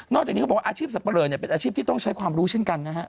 จากนี้เขาบอกว่าอาชีพสับปะเลอเนี่ยเป็นอาชีพที่ต้องใช้ความรู้เช่นกันนะฮะ